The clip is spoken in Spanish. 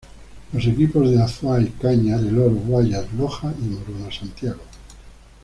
Los equipos de Azuay, Cañar, El Oro, Guayas, Loja y Morona Santiago.